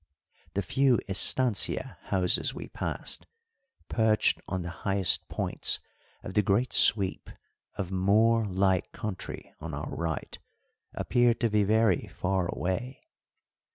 The few estancia houses we passed, perched on the highest points of the great sweep of moor like country on our right, appeared to be very far away.